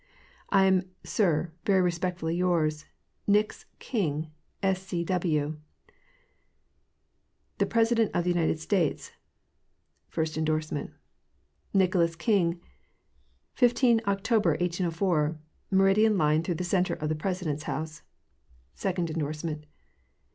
Iam, sir, very respectfully yours, Nicu's Kine, 8S. C. W. THe PRESIDENT OF THE UNITED STATES. (First endorsement. ) Nicholas King. 15 Ocr", 1804. Meridian line through the center of the President's house. (Second endorsement.